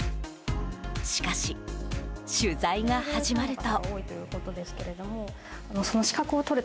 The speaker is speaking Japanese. しかし、取材が始まると。